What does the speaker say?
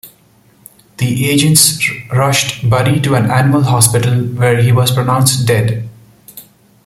The agents rushed Buddy to an animal hospital where he was pronounced dead.